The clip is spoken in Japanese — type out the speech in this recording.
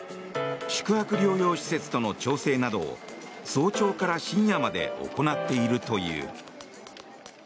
宿泊療養施設との調整などを早朝から深夜まで行っているという。